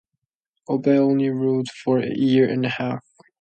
Abel only ruled for a year and a half.